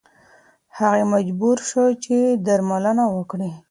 هغې مجبوره شوه چې درملنه وکړي.